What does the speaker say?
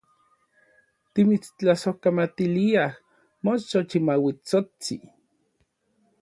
Timitstlasojkamatiliaj, moxochimauitsotsin.